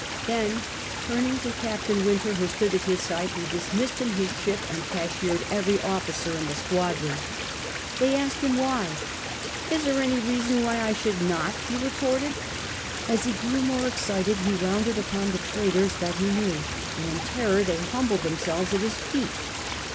Then turning to Captain Wynter, who stood at his side, he dismissed him his ship, and cashiered every officer in the squadron. They asked him why. " Is there any reason why I should not 1 " he retorted. As he grew more excited he rounded upon the traitors that he knew, and in terror they humbled themselves at his feet.